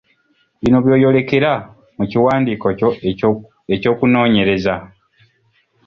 Bino by’oyolekera mu kiwandiiko kyo eky’okunoonyereza.